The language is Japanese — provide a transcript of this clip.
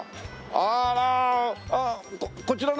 あら。